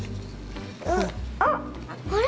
あっあれ？